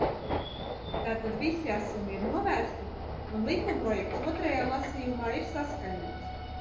Tātad visi asumi ir novērsti un likumprojekts otrajā lasījumā ir saskaņots.